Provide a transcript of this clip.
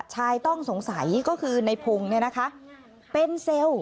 ชายต้องสงสัยก็คือในพงศ์เป็นเซลล์